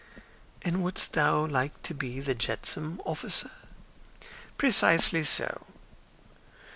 "And wouldst thou like to be the jetsam officer?" "Precisely so."